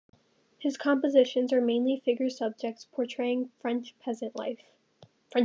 His compositions are mainly figure subjects portraying French peasant life.